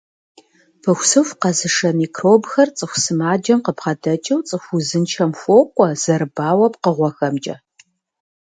Пыхусыху къэзышэ микробхэр цӀыху сымаджэм къыбгъэдэкӀыу цӀыху узыншэм хуокӀуэ зэрыбауэ пкъыгъуэхэмкӀэ.